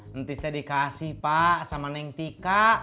nanti saya dikasih pak sama neng tika